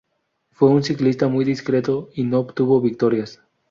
Fue un ciclista muy discreto y no obtuvo victorias.